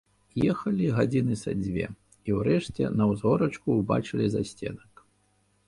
Ехалі гадзіны са дзве, і ўрэшце на ўзгорачку ўбачылі засценак.